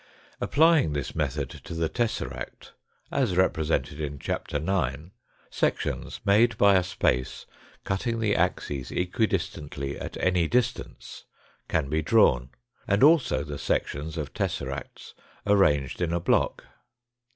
Applying this method to the tesseract, as represented in Chapter IX., sections made by a space cutting the axes equidistantly at any distance can be drawn, and also the sections of tesseracts arranged in a block.